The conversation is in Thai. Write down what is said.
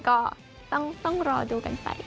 ก็ต้องรอดูกันไป